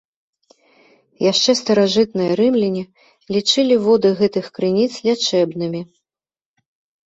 Яшчэ старажытныя рымляне лічылі воды гэтых крыніц лячэбнымі.